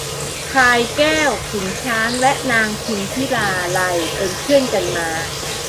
พลายแก้ว ขุนช้าง และนางพิมพิลาไลยเป็นเพื่อนกันมา